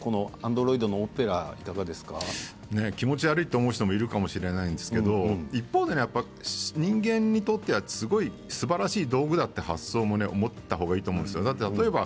このアンドロイドの舞台気持ち悪いと思う人もいるかもしれませんけれど一方で人間にとってはすごくすばらしい道具だという発想も持ったほうがいいと思うんですよ。